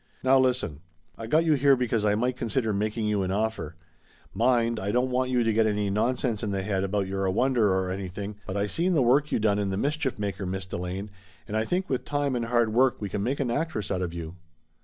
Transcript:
Now listen. I got you here because I might consider making you an offer. Mind, I don't want you to get any nonsense in the head about you're a wonder, or anything. But I seen the work you done in The Mischief Maker, Miss Delane, and I think with time and hard work we can make an actress out of you!"